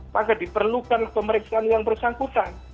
maka diperlukan pemeriksaan yang bersangkutan